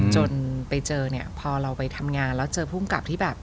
จนไปเจอเนี่ยพอเราไปทำงานแล้วเจอภูมิกับที่แบบ